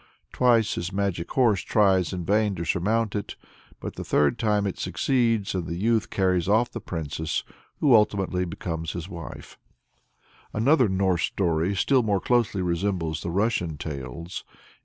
Twice his magic horse tries in vain to surmount it, but the third time it succeeds, and the youth carries off the princess, who ultimately becomes his wife. Another Norse story still more closely resembles the Russian tales.